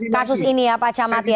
kasus ini ya pak camat ya